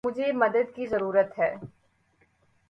مجھے مدد کی ضرورت ہے۔